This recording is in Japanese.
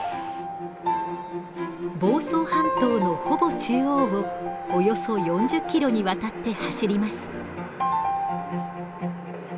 房総半島のほぼ中央をおよそ４０キロにわたって走ります。